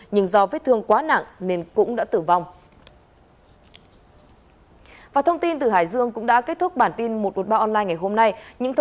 nhưng do vết thương quá nặng nên cũng đã tử vong